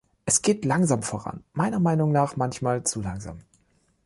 Es geht langsam voran, meiner Meinung nach manchmal zu langsam.